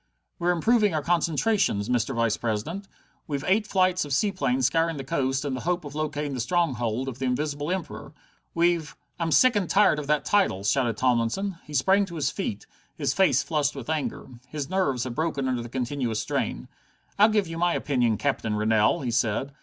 "We're improving our concentrations, Mr. Vice president. We've eight flights of seaplanes scouring the coast in the hope of locating the stronghold of the Invisible Emperor. We've " "I'm sick and tired of that title," shouted Tomlinson. He sprang to his feet, his face flushed with anger. His nerves had broken under the continuous strain. "I'll give you my opinion, Captain Rennell," he said.